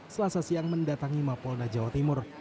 selasa siang mendatangi mapolda jawa timur